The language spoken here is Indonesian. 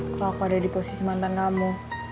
kalau aku ada di posisi mantan kamu